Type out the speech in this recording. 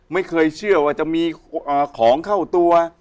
ไม่เคยเชื่อว่าจะมีของเข้าตัว